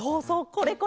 これこれ。